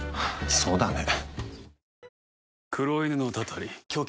そうだね。